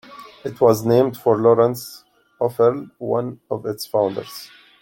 It was named for Lawrence Offerle, one of its founders.